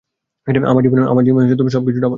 আমার জীবনে সবকিছু ডাবল।